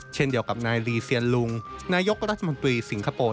เช่นเดียวกับนายลีเซียนลุงนายกรัฐมนตรีสิงคโปร์